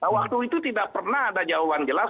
waktu itu tidak pernah ada jawaban jelas